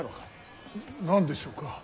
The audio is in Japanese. ・何でしょうか。